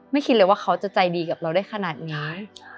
คิดเลยว่าเขาจะใจดีกับเราได้ขนาดนี้